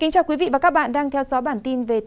cảm ơn các bạn đã theo dõi